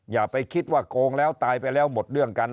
อย่าไปคิดว่าโกงแล้วตายไปแล้วหมดเรื่องกัน